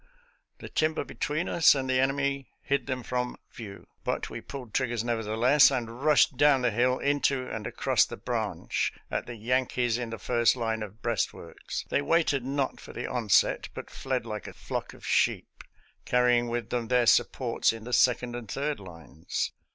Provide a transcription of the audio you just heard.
The timber between us and the enemy hid them from view, but we pulled triggers nevertheless, and rushed down the hill into and across the branch, at the Yankees in the first line of breastworks. They waited not for the onset, but fled like a flock of sheep, carry ing with them their supports in the second and third lines.